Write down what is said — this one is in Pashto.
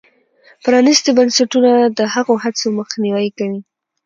پرانیستي بنسټونه د هغو هڅو مخنیوی کوي.